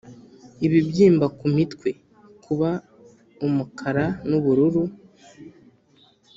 ibibyimba ku mitwe, kuba umukara n'ubururu,